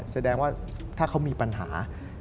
แสดงว่าถ้าเขามีปัญหา